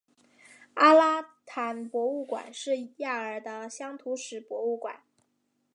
阿拉坦博物馆是亚尔的乡土史博物馆。